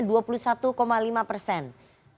dan rituan kamil yang berwarna merah